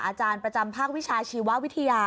อาจารย์ประจำภาควิชาชีววิทยา